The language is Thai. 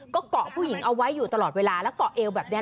ก็เกาะผู้หญิงเอาไว้อยู่ตลอดเวลาแล้วเกาะเอวแบบนี้